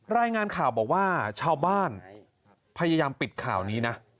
รายงานข่าวบอกว่าชาวบ้านพยายามปิดข่าวนี้นะ